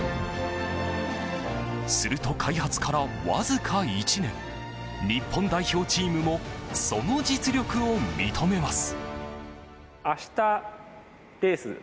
すると、開発からわずか１年日本代表チームもその実力を認めます。